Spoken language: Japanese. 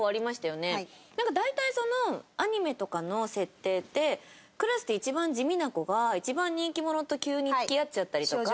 なんか大体そのアニメとかの設定ってクラスで一番地味な子が一番人気者と急に付き合っちゃったりとか。